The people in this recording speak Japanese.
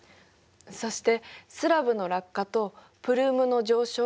そしてスラブの落下とプルームの上昇がマントル対流。